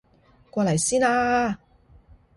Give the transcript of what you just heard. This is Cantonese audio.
過嚟先啊啊啊